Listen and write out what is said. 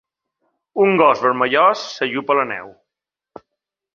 Un gos vermellós s'ajup a la neu.